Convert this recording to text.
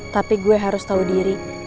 tapi gue harus tahu diri